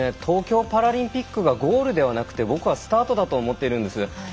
東京パラリンピックがゴールではなく僕はスタートだと思っています。